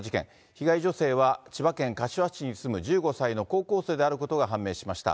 被害女性は千葉県柏市に住む１５歳の高校生であることが判明しました。